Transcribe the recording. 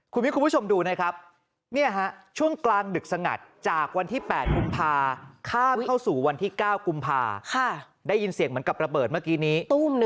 คุณผู้ชมดูนะครับช่วงกลางดึกสงัดจากวันที่๘กุมภาข้ามเข้าสู่วันที่๙กุมภาได้ยินเสียงเหมือนกับระเบิดเมื่อกี้นี้